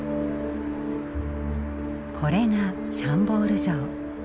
これがシャンボール城。